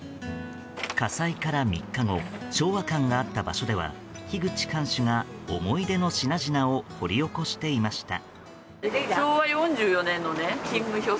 火災から３日後昭和館があった場所では樋口館主が思い出の品々を掘り起こしていました。